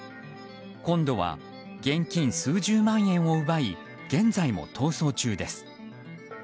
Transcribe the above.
今度は現金数十万円を奪い現在も逃走中です。